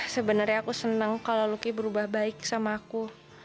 sebenernya aku seneng kalau lucky berubah baik sama aku